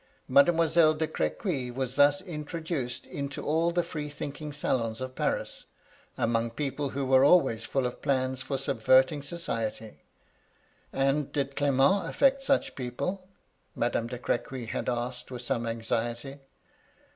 Mademoiselle de Crequy was thus introduced into all the free thinking salons of Paris ; among people who were always ftdl of plans for subverting society. ' And did Qement affect such people ?' Madame de Cr^iuy had asked, with some anxiety.